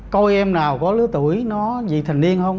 coi em nào có lứa tuổi nó gì thành niên không